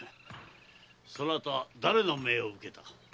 そなた誰の命を受けた？